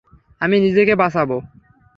আমি নিজেকে বাঁচাবো।